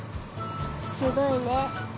すごいね。